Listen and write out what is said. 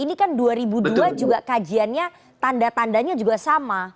ini kan dua ribu dua juga kajiannya tanda tandanya juga sama